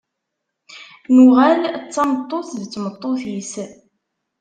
Nuɣal d tameṭṭut d tmeṭṭut-is.